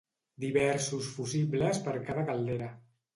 Diversos fusibles per cada caldera.